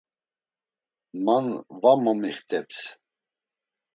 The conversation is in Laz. Man va momixteps.